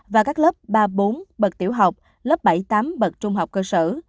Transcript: và các lớp ba bốn bậc tiểu học lớp bảy tám bậc trung học cơ sở